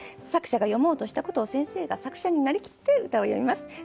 作者が詠もうとしたことを先生が作者になりきって歌を詠みます。